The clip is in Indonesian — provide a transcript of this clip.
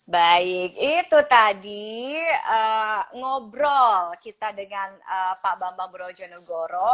baik itu tadi ngobrol kita dengan pak bambang brojonegoro